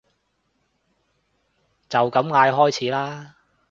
就咁嗌開始啦